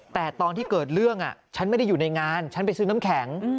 แต่ตอนที่เกิดเรื่องฉันไม่ได้อยู่ในงานฉันไปซื้อน้ำแข็ง